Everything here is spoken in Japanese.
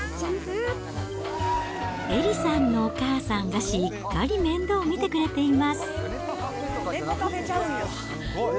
エリさんのお母さんが、しっかり面倒を見てくれています。